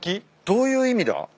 どういう意味だ？